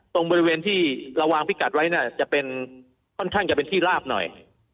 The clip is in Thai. ตรงบริเวณที่เราวางพิกัดไว้เนี่ยจะเป็นค่อนข้างจะเป็นที่ลาบหน่อย